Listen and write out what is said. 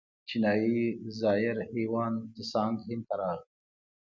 چینایي زایر هیوان تسانګ هند ته راغی.